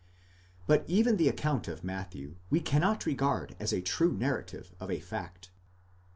But even the account of Matthew we cannot regard as a true narrative of a fact.